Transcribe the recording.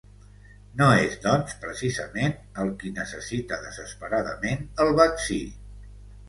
No és, doncs, precisament el qui necessita desesperadament el vaccí.